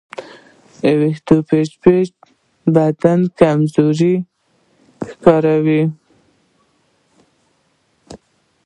د وېښتیانو چپچپک بدن کمزوری ښکاري.